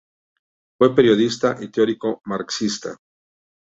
Fue periodista y teórico marxista.